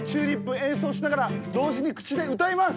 演奏しながら同時に口で歌います。